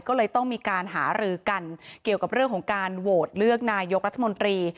ก็เลยต้องมีการหารือกันเกี่ยวกับเรื่องของการโหวตเลือกนายกรัฐมนตรี